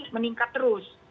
tren ini meningkat terus